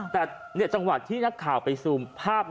แต่จังหวะที่นักข่าวไปซูมภาพ